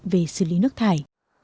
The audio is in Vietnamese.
về xử lý nước thải